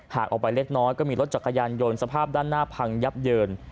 ออกไปเล็กน้อยก็มีรถจักรยานยนต์สภาพด้านหน้าพังยับเยิน